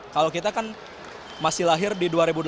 kalau kita kan masih lahir di dua ribu dua puluh